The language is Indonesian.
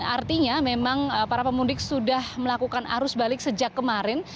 artinya memang para pemudik sudah melakukan arus balik sejak kemarin